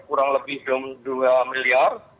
kurang lebih dua miliar